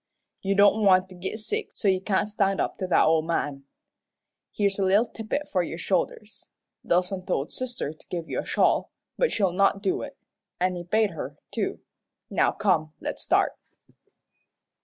You don't want to git sick so you can't stand up to that ole man. Here's a little tippet for your shoulders. Dillson told sister to give you a shawl, but she'll not do it. An' he paid her, too. Now come, let's start."